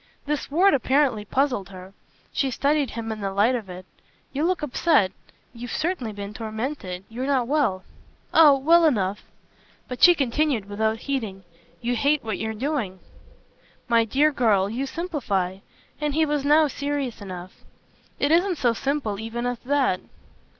This word apparently puzzled her she studied him in the light of it. "You look upset you've certainly been tormented. You're not well." "Oh well enough!" But she continued without heeding. "You hate what you're doing." "My dear girl, you simplify" and he was now serious enough. "It isn't so simple even as that."